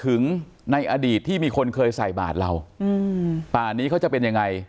ถึงในอดีตที่มีคนเคยใส่บาทเราอืมป่านี้เขาจะเป็นยังไง